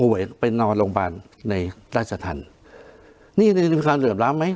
ไปนอนโรงพยาบาลในราชธรรมนี่มีความเหลื่อมล้ำไหม